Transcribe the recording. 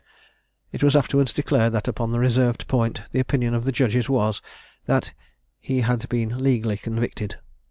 It was afterwards declared that upon the reserved point, the opinion of the judges was, that he had been legally convicted.